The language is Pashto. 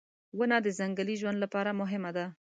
• ونه د ځنګلي ژوند لپاره مهمه ده.